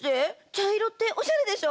茶色っておしゃれでしょ？